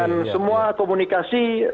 dan semua komunikasi ter encryption